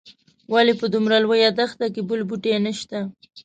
ولې په دومره لویه دښته کې بل بوټی نه شته.